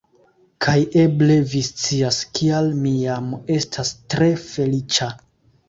Kaj eble vi scias kial mi jam estas tre feliĉa